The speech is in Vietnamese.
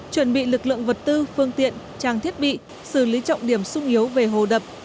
chuẩn bị lực lượng vật tư phương tiện trang thiết bị xử lý trọng điểm sung yếu về hồ đập